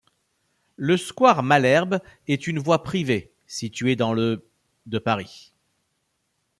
Le square Malherbe est une voie privée située dans le de Paris.